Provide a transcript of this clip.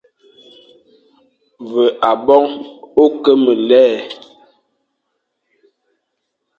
Ve aboñ ô ke me lè,